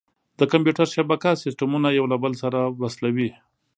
د کمپیوټر شبکه سیسټمونه یو له بل سره وصلوي.